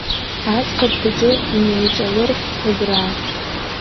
Аӡӷаб хәыҷы инеиҿалырхьт убра.